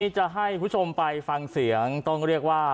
จะให้คุณผู้ชมไปฟังเสียงต้องเรียกว่า